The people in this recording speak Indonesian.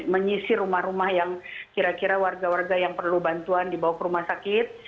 menyisir rumah rumah yang kira kira warga warga yang perlu bantuan dibawa ke rumah sakit